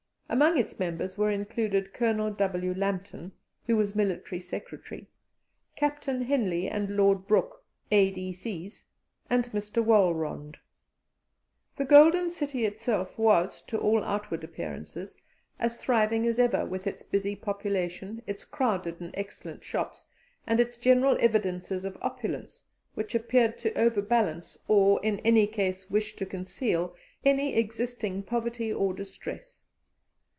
Among its members were included Colonel W. Lambton, who was Military Secretary; Captain Henley and Lord Brooke, A.D.C.'s; and Mr. Walrond. The Golden City itself was, to all outward appearances, as thriving as ever, with its busy population, its crowded and excellent shops, and its general evidences of opulence, which appeared to overbalance or, in any case, wish to conceal any existing poverty or distress.